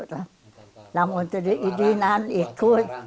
namun tadi ini nanti ikut